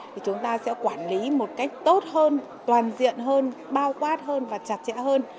thì chúng ta sẽ quản lý một cách tốt hơn toàn diện hơn bao quát hơn và chặt chẽ hơn